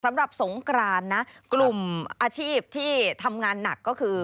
สำหรับสงกรานนะกลุ่มอาชีพที่ทำงานหนักก็คือ